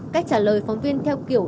cách trả lời phóng viên theo kiểu